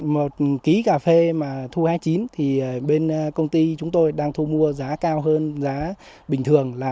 một ký cà phê mà thu hái chín thì bên công ty chúng tôi đang thu mua giá cao hơn giá bình thường là ba